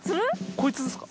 こいつですか？